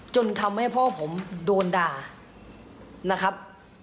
จนทำให้พ่อผมโดนด่านะครับ